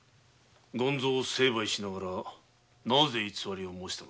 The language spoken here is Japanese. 権造を成敗しながらなぜ偽りを申したのか？